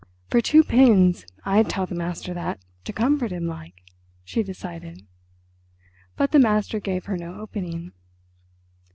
"For two pins I'd tell the master that, to comfort him, like," she decided. But the master gave her no opening.